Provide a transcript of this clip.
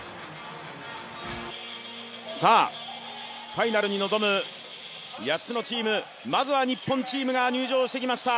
ファイナルに臨む８つのチーム、まずは日本チームが入場してきました。